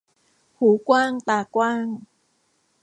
หูกว้างตากว้าง